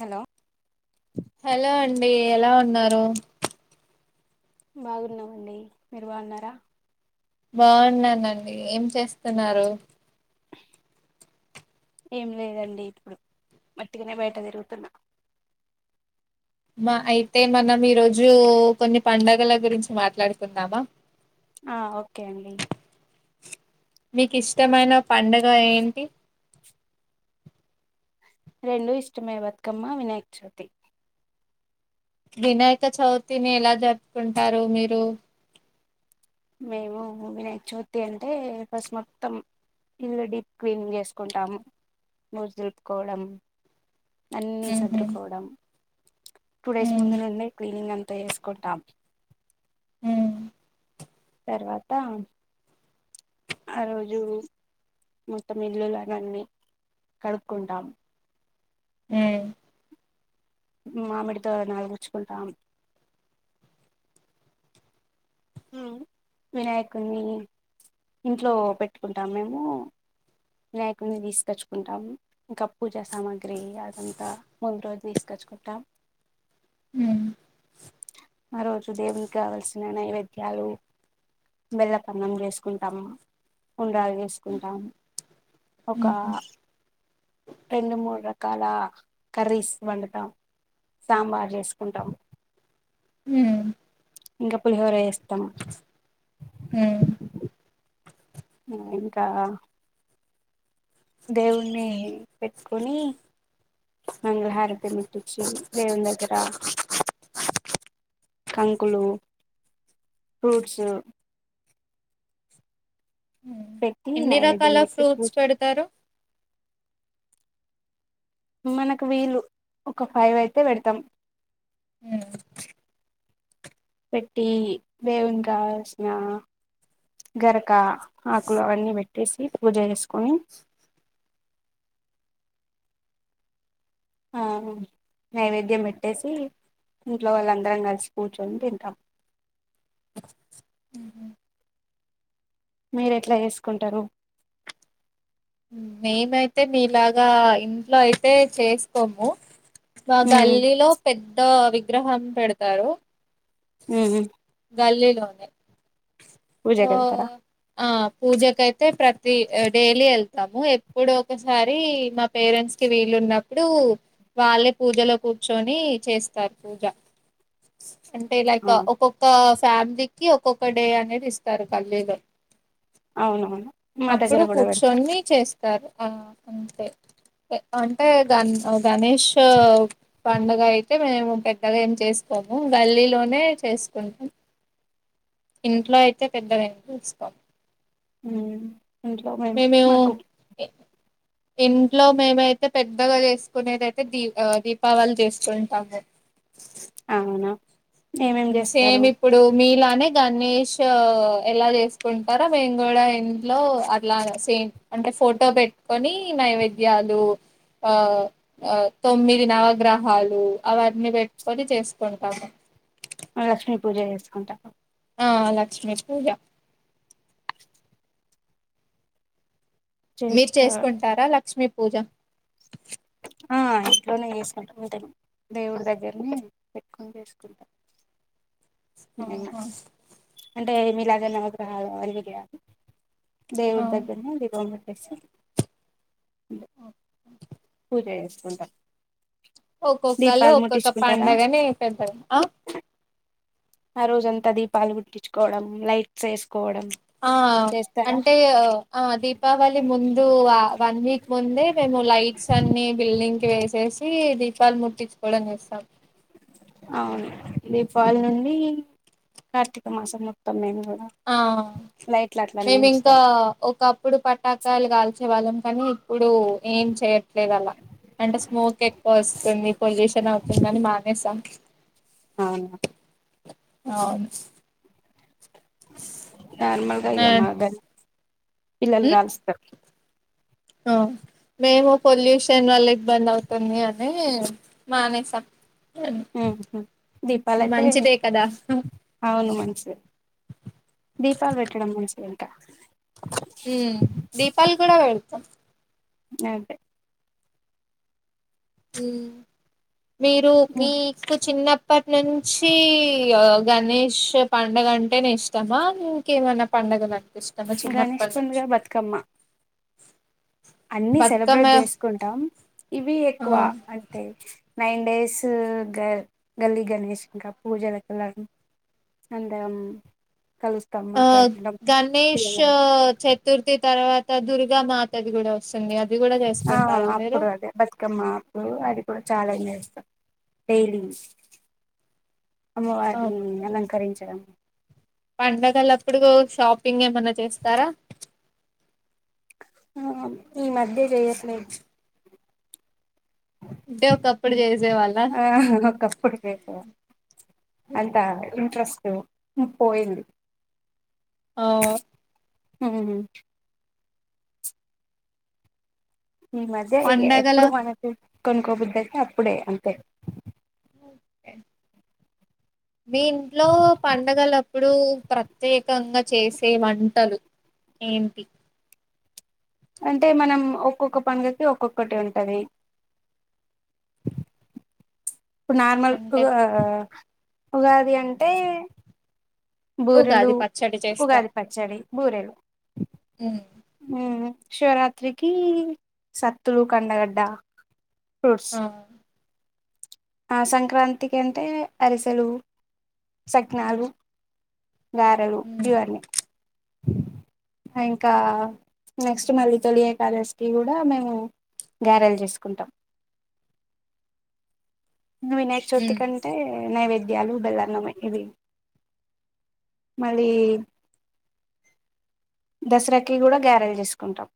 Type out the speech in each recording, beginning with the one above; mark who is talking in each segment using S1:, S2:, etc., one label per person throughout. S1: Hello
S2: hello అండి ఎలా ఉ ఉన్నారు
S1: బాగున్నామండి మీరు బాగున్నారా
S2: బాగున్నానండి ఏం చేస్తున్నారు
S1: ఏం లేదండి ఇప్పుడు మట్టికనే బయట తిరుగుతున్నా
S2: మా అయితే మనం ఈరోజు కొన్ని పడుగల గురించి మాట్లాడుకుందామా
S1: ఆ ఓకే అండి
S2: మీకు ఇష్టమైన పండుగ ఏంటి
S1: రెండు ఇష్టమే బతుకమ్మ వినాయక చవితి
S2: వినాయక చవితిని ఎలా జరుపుకుంటారు మీరు
S1: మేముూ వినాయక చవితి అంటే ఫస్ట్ మొత్తం ఇల్లు డీప్ క్లీనింగ్ చేసుకుంటాము బూజు దులుపుకోవడం అన్ని
S2: ఉహు
S1: చదురుకోవడం టూ డేస్
S2: ఉమ్
S1: ముందు ఉంది క్లీనింగ్ అంత చేసుకుంటాం
S2: ఉమ్
S1: తర్వాత ఆ రోజు మొత్తం ఇల్లులునన్ని కడుక్కుంటాము
S2: ఉం
S1: మామిడి తోరనాలుగుచ్చుకుంటాం వినాయకుడిని ఇంట్లో పెట్టుకుంటాం మేము వినాయకుడిని తీసుకొచ్చుకుంటాం ఇంకా పూజా సామాగ్రి అదంతా ముందు రోజు తీసుకచ్చుకుంటాం
S2: ఉం
S1: ఆ రోజు దేవునికి కావాల్సిన నైవైద్య ద్యాలు బెల్లపన్నం చేసుకుంటాము ఉండ్రాలు చేసుకుంటాము ఒక
S2: ఉహు
S1: రెండు మూడు రకాల కర్రీస్ వండుతాం సాంబార్ చేసుకుంటాం
S2: ఉం
S1: ఇంకా పులిహోర చే స్తాము
S2: ఉం
S1: ఇంకా దేవుణి పెట్టుకొని మంగళహారతిమిట్టిచ్చి దేవుని దగ్గర కంకులు ఫ్రూట్స్ పెట్టి
S2: ఎన్ని రకాల
S1: నైవేద్యం పెట్టి
S2: ఫ్రూట్స్
S1: పూజ
S2: పెడతారు
S1: మనకు వీలు ఒక ఫైవ్ అయితే పెడతాం పెట్టి వేవుని కావాల్సిన గరక ఆకులు అవన్నీ పెట్టేసి పూజ చేసుకొని నైవేద్యం పెట్టేసి ఇంట్లో వాళ్ళందరం కలిసి కూర్చొని తింటాము మీర ఎట్లా వేసుకుంటారు
S2: మేమైతే మీలాగా ఇంట్లో అయితే చేసుకోము మా
S1: ఉమ్
S2: గల్లీలో పెద్ద విగ్రహం పెడతారు
S1: ఉమ్
S2: గల్లీ లోనే
S1: పూజకి వెళ్తారా
S2: ఆ పూజకైతే ప్రతి డైలీ వెళ్తాము ఎప్పుడ ఒకసారి మా పేరెంట్స్కిి వీలున్నప్పుడు వాళ్ళే పూజలో కూర్చొని చేస్తారు పూజ అంటే లైక్
S1: ఆ
S2: ఒక్కొక్క ఫ్యామిలీకి ఒక్కొక్క డే అనేది ఇస్తారు గల్లీలో
S1: అవునవును మా దగ్గర కూడా పెడతారు
S2: సరే అంతే అంటే గన్ గణేష్ పండుగ అయితే మేము పెద్దగా ఏం చేసుకోము గల్లీలోనే చేసుకుంటాం ఇంట్లో అయితే పెద్ద
S1: హ్మ్ ఇంట్లో మేము మాకు
S2: ఇంట్లో మేమైతే పెద్దగా చేసుకునేదియితే దీపా దీపావళి చేసుకుంటాము
S1: అవునా ఏమేం చేస్తారు
S2: సేమ్ ఇప్పుడు మీ లానే కాని ఆ ఎలా చేసుకుంటారో మేము కూడా ఇంట్లో అట్లా సేమ్ అంటే ఫోటో పెట్టుకొని నైవేద్యాలు ఆ తొమ్మిది నవగ్రహాలు అవన్నీ పెట్టుకొని చేసుకుంటాము
S1: లక్ష్మీ పూజ చేసుకుంటా
S2: ఆ లక్ష్మి పూజ మీరు
S1: చేసుకో
S2: చేసుకుంటారా లక్ష్మీ పూజ
S1: ఆ ఇంట్లోనే చేసుకుంటాం ఉంటే దేవుడి దగ్గరనే పెట్టుకుని చేసుకుంటాం మేము
S2: ఆహ
S1: అంటే మీలాగే నవగ్రహాలు అంటివి గా దేవుడు
S2: ఆ
S1: దగ్గరి నే దీపం ఏస
S2: ఓక్
S1: ఏసుకుంటా
S2: ఒక్కొక్కళ్లు ఒక్కొక్క పండగనే పెద్దగా అ
S1: ఆ రోజ అంతా దీపాలు ముట్టించుకోవడం లైట్స్ వేసు
S2: ఆ అంటే ఆ దీపావళి ముందు అ వన్ వీక్ ముందే మేము లైట్స్ అన్ని బిల్డింగ్ కీ వేసి సి దీపాలు ముట్టించుకోవడం చేస్తాం
S1: అవును దీపావళి నుండి కార్తీక మాసం మొత్తంమి
S2: ఆ మేము ఇంకా
S1: ఉంచుతాం
S2: ఒకప్పుడు పటాకాయలు కాల్చేవాళ్ళం కానీ ఇప్పుడు ఏం చేయట్లేదు అలా అంటే స్మోక్ ఎక్కువ వస్తుంది పొల్యూషన్ అవుతుందని మానేసాం
S1: అవునా
S2: అవును
S1: నార్మల్గా
S2: ఆ
S1: ఇగ మా గాలి పిల్లలు కాలుస్తారు
S2: మ్మ్ మేము పొల్యూషన్ వల్ల ఇబ్బంది అవుతుంది అని మానేసాం
S1: హ్మ
S2: ఇది
S1: దీపాలైతే
S2: మంచిదే కదా
S1: అవును మనం దీపాలు పేట్టడము మంచిది అంట
S2: మ్మ్ దీపాలు కూడా పెడుత్
S1: అదే
S2: మ్మ్ మీరు మీకు చిన్న ఇప్పటి నుంచి గణేష్ పండుగ అంటే న ఇష్టమా ఇంకేమనా పండుగలంటే
S1: గణేష్ పండుగ బతుకమ్మ అన్ని
S2: బతుకమ్మ
S1: సెలబ్రేట్ చేసుకుంటాం ఇవి
S2: ఆ
S1: ఎక్కువ అంటే నైన్ డేస్ గర్ గల్లీ గణేష్ ఇంకా పూజలకి వెళ్ళడం అందరం కలుస్తాం
S2: ఆ
S1: మాట్లాడుకుంటాం పిల్లలం
S2: గణేషు చతుర్థి తర్వా దుర్గా మాతది కూడా వస్తుంది అత్
S1: ఆ అప్పుడు అదె బతుకమ్మ ఎప్పుడు అది కూడా చాలా చేస్తాం డైలీ
S2: ఆ
S1: అమ్మవారిని ఆలంకరించడం
S2: పండగలప్పుడు షాపింగ్ ఏమన్నా చేస్తారా
S1: ఆమ్ ఈ మధ్య జెయట్లేదు
S2: అంటే ఒకప్పుడు చేసేవాళ్ళ
S1: హ ఒకప్పుడు చేసేవారు అంతా ఇంట్రెస్ట్ పోయింది
S2: ఆవ్
S1: ఊ ఈ మధ్య ఇగ
S2: పండగల
S1: ఎప్పుడు మనకి కొన్కోబుద్ధి అయితే అప్పుడే అంతే
S2: ఓకె మీ ఇంట్లో పండగలప్పుడు ప్రత్యేకంగా చేసే వంటలు ఏంటీ
S1: అంటే మనం ఒక్కొక్క పండుగకి ఒక్కొక్కటి ఉంటది ఇప్పుడు నార్మల్ టు
S2: అంటే
S1: ఆ ఆ ఉగాది అంటే బూరెలు
S2: ఉగాది పచ్చడి చేస్తాం.
S1: ఉగాది పచ్చడి బూరెలు
S2: హ్మ్
S1: ఉఊ శివరాత్రికి సత్తులు కండగడ్డ ఫ్రూట్స్
S2: ఆ!
S1: ఆ సంక్రాంతికి అంటే అరిసెలు సగ్నాలు గారెలు
S2: హ్మ్
S1: ఇవన్ని ఇంకా నెక్స్ట్ మళ్ళీ తొలిఏకాదశికి కూడా మేము గారెలు చేసుకుంటాం ఇంగ వినాయకచవితి
S2: హ్మ్
S1: కి అంటే నైవేద్యాలు బెల్లన్నం మే ఇవి మళ్ళీ దసరాకి కూడా గారెలు చేసుకుంటాం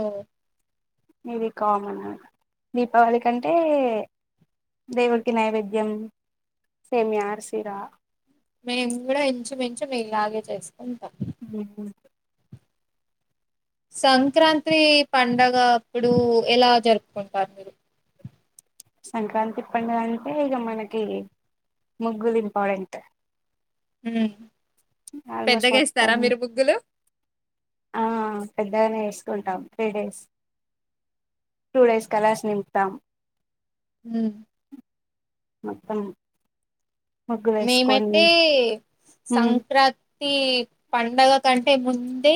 S2: ఓ
S1: ఇవి కామన్ దీపావళి కంటే దేవుడికి నైవేద్యం సేమియా ఆర్సిరా
S2: మేము గూడా ఇంచు మించు మీ లాగే చేసుకుంటాం
S1: ఒహో
S2: సంక్రాత్రి పండగ అప్పుడు ఎలా జరుపుకుంటారు మీరు
S1: సంక్రాంతి పండుగ అంటే ఇగ మనకి ముగ్గులు ఇంపార్టెంట్
S2: ఉ
S1: ఆల్మోస్ట్ మొత్తం ఆ పెద్ డర్న్ ఏసుకుంటాం త్రీ డేస్ టూ డేస్ కలాస్ నింపుతాం
S2: హ్మ
S1: మొత్తం ముగ్గులు వేసుకొని
S2: మేమైతే సంక్రాత్ ప్రతీ పండగ కంటె ముందే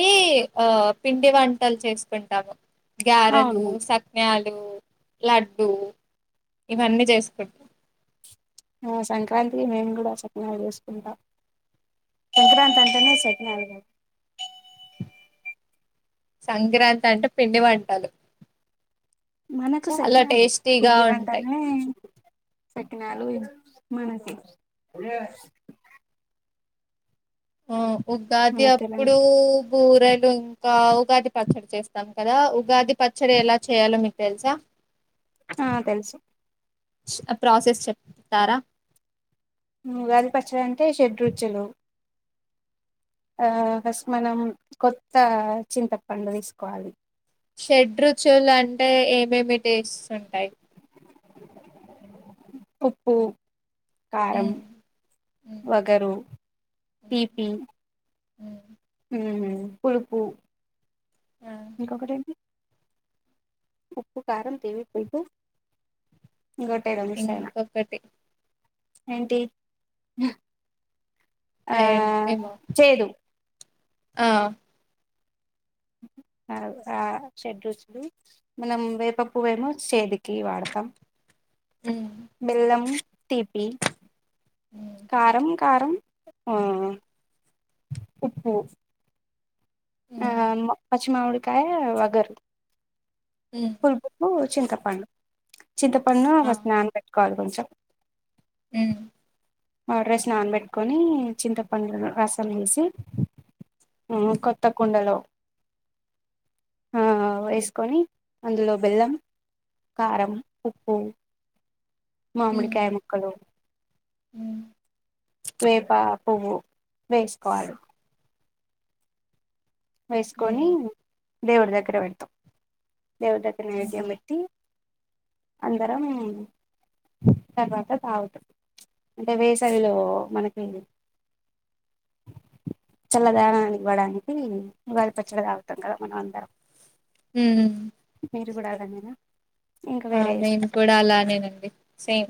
S2: ఆ పిండి వంటలు చేసిపెడతాము గ్యారెలూ
S1: అవును
S2: సక్నాలు లడ్డూ ఇవన్నీ చేసుకుంటామ్
S1: సంక్రాంతికి మేము కూడ సకినాలు చేసుకుంటాం సంక్రాంతి అంటేనే సకినాలు క
S2: సంక్రాంతి అంటే పిండి వంటలు
S1: మనకు
S2: చాలా
S1: సకినాలు
S2: టేస్టీగా
S1: పిండి
S2: ఉంటాయి
S1: వంటనే సకినాలూ మనకి
S2: ఆ
S1: మన
S2: ఉగ్గాది అప్పుడూ
S1: తెలంగా
S2: బూరల్ ఇంకా ఉగాది పచ్చడి చేస్తాము కదా ఉగాది పచ్చడి ఎలా చేయాలో మీకు తెలుసా
S1: ఆ తెలుసు
S2: ప్రాసెస్ చెప్తారా
S1: ఉహ్ ఉగాది పచ్చడి అంటే షెడ్రుచులు ఆ ఫస్ట్ మనం కొత్త చింత పండు తీసుకోవాలి
S2: షడ్రుచులు అంటే ఏమేమి టేస్ట్ ఉంటాయి
S1: ఉప్పు కారం,
S2: ఉమ్, ఉమ్,
S1: వగరు,
S2: ఉమ్.
S1: తీపి
S2: హ్మ్.
S1: ఉహ్ పులుపు
S2: ఆ
S1: ఇంకొకటి ఏంటి ఉప్పు, కారం, తీపి, పులుపు ఇంకోటి ఏదో మిస్ అయినా
S2: ఇంకొకటి
S1: ఏంటి హ
S2: అయన్ ఏమో ఆ
S1: షడ్రుచులు మనం వేప పువ్వేమో చేదు కి వాడతాం
S2: ఉహ్
S1: బెల్లం తీపి
S2: ఉమ్
S1: కారం కారం ఆ ఉప్పు ఆ
S2: ఉమ్
S1: పచ్చిమమిడి కాయ వగర్ కి
S2: ఉమ్
S1: పులుపు కు చింతపండు చింతపండును ఫస్ట్ నానబెట్టుకోవాలి కొంచం
S2: ఉహ్
S1: మాడ్రా సి నానబెట్టుకొని చింతపండ్లు రసం వేసి కొత్త కుండలో ఆ వేసుకొని అందులో బెల్లం కారం ఉప్పు మామిడికాయ ముక్కలు
S2: ఉహ్
S1: వేప పువ్వు వేసుకోవాలి వేసుకొని
S2: ఉమ్
S1: దేవుడు దగ్గర పెడతాం దేవుడు దగ్గర నైవేద్యం
S2: ఉహు
S1: బేట్టి అందరం తర్వాత తాగుతాం అంటే వేసవిలో మనకి చల్లదానాన్నీ ఇవ్వడానికి ఉగాది పచ్చడ తాగుతాం కదా మనం అందరం
S2: ఉహ్
S1: మీరు కూడా అలాగేనా
S2: ఆ మేము కూడా అలానేనండి సేమ్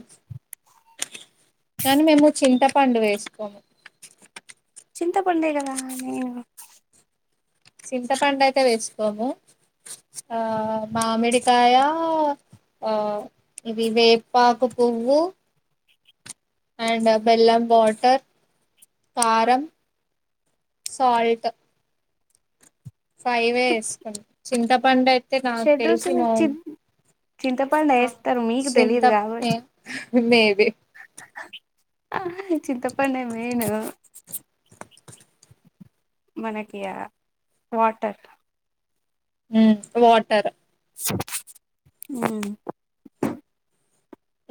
S2: కానీ మేము చింతపండు వేసుకోము
S1: చింత పండే కదా నేను
S2: చింతపడు అయితే వేసుకోము ఆ మామిడికాయ ఆ ఇవి వేపాకు పువ్వు యండ్ బెల్లం వాటర్ కారం సాల్ట్ ఫై వేసుకుంటాం చింతపండు అయి అయితే నాకు
S1: షెడ్
S2: తెలిసి
S1: రుచులు చి
S2: మమీ
S1: చింతపండు
S2: ఆ
S1: వేస్తారు మీకు
S2: చింత
S1: తెలియదు
S2: మేబి
S1: ఆ హ చింతపండే మేయాను మనకి ఆ వాటర్
S2: ఉహ్ వాటర్
S1: ఉ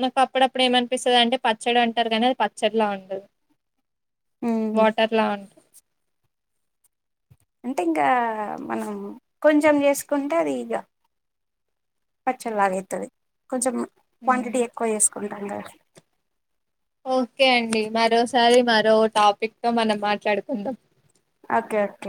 S2: నాకు అప్పుడప్పుడు ఏమనిపిస్తది అంటే పచ్చడి అంటారు కానీ అది పచ్చడిలా ఉండదు వాటర్ లా ఉంటది
S1: అంటే ఇంక మనం కొంచెం చేసుకుంటే అది ఇగ పచ్చడ్లగైతది కొంచెం క్వాంటిటీ ఎక్కువ చేేసుకున్నాం అందాస్
S2: ఒకె అండి మరోసారి మరో టాపిక్ తో మనం మాట్లాడుకుందాం
S1: ఓకే ఓకే